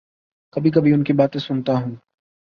کبھی کبھی ان کی باتیں سنتا ہوں۔